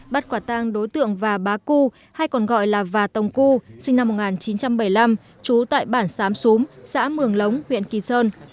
bắt quả tăng đối tượng và bá cư hay còn gọi là và tông cư sinh năm một nghìn chín trăm bảy mươi năm trú tại bản xám xúm xã mường lống huyện kỳ sơn